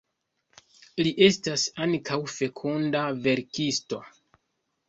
Li estas ankaŭ fekunda verkisto.